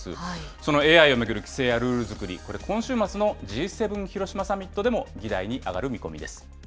そのＡＩを巡る規制やルール作り、これ、今週末のＧ７広島サミットでも議題に上がる見込みです。